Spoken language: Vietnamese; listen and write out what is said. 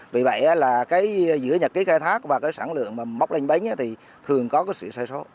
vì vậy là giữa nhật ký khai thác và sản lượng bóc lênh bánh thì thường có sự sai số